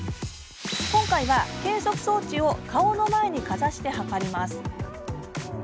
今回は、計測装置を顔の前にかざして測ります。